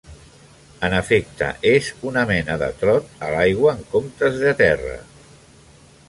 En efecte, és una mena de "trot" a l"aigua en comptes de a terra.